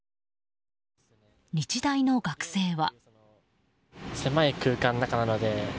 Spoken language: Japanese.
日大の学生は。